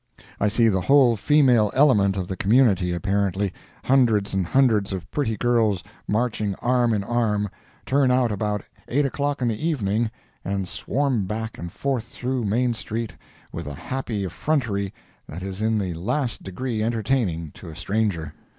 I see the whole female element of the community apparently—hundreds and hundreds of pretty girls marching arm in arm—turn out about eight o'clock in the evening and swarm back and forth through Main street with a happy effrontery that is in the last degree entertaining to a stranger.